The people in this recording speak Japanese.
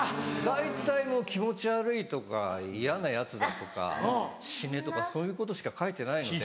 大体もう気持ち悪いとか嫌なヤツだとか死ねとかそういうことしか書いてないので。